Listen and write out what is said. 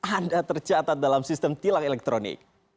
anda tercatat dalam sistem tilang elektronik